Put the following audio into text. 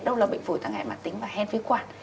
đâu là bệnh phối tăng hẹn bản tính và hen phế quản